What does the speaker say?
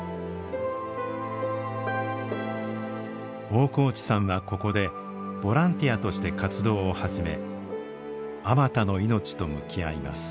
大河内さんはここでボランティアとして活動を始めあまたの命と向き合います。